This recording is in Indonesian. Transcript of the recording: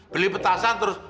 beli petasan terus